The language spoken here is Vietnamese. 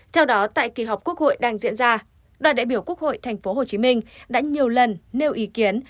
theo đó tại kỳ họp quốc hội đang diễn ra đoàn đại biểu quốc hội tp hcm đã nhiều lần nêu ý kiến